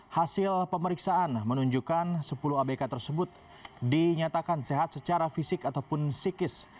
hasil pemeriksaan menunjukkan sepuluh abk tersebut dinyatakan sehat secara fisik ataupun psikis